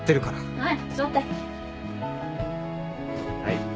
はい。